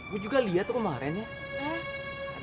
gue juga lihat tuh kemarin ya